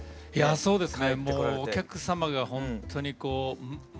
そうですね